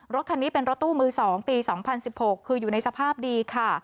รถคันนี้เป็นรถตู้มือ๒ปี๒๐๑๖คืออยู่ในสภาพดีค่ะ